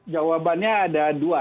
jawabannya ada dua